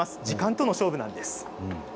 時間との勝負なんです。